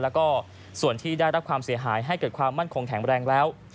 แล้วก็ส่วนที่ได้รับความเสียหายให้เกิดความมั่นคงแข็งแรงแล้ว